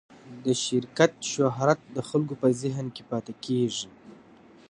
د شرکت شهرت د خلکو په ذهن کې پاتې کېږي.